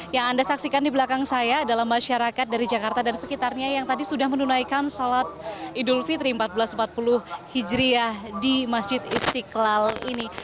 yang anda saksikan di belakang saya adalah masyarakat dari jakarta dan sekitarnya yang tadi sudah menunaikan sholat idul fitri seribu empat ratus empat puluh hijriah di masjid istiqlal ini